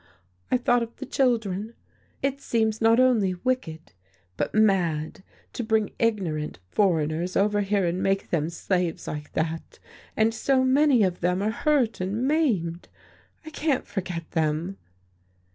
I thought of the children. It seems not only wicked, but mad to bring ignorant foreigners over here and make them slaves like that, and so many of them are hurt and maimed. I can't forget them."